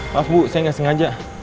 maaf bu saya nggak sengaja